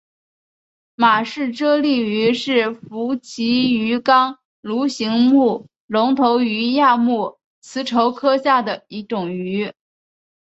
马氏蛰丽鱼是辐鳍鱼纲鲈形目隆头鱼亚目慈鲷科下的一种鱼。